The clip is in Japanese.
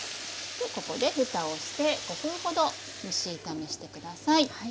ここでふたをして５分ほど蒸し炒めして下さい。